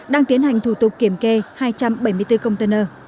đang tiến hành thủ tục kiểm kê hai trăm bảy mươi bốn container